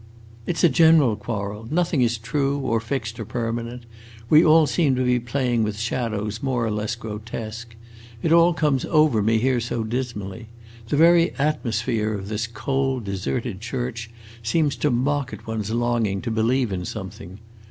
"It 's a general quarrel. Nothing is true, or fixed, or permanent. We all seem to be playing with shadows more or less grotesque. It all comes over me here so dismally! The very atmosphere of this cold, deserted church seems to mock at one's longing to believe in something.